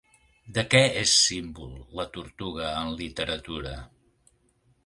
De què és símbol la tortuga en literatura?